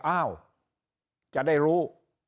อ้าวจะได้รู้